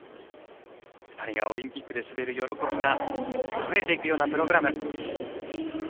２人がオリンピックで滑る喜びがあふれていくようなプログラム。